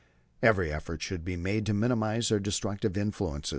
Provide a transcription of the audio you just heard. Every effort should be made to minimize their destructive influence.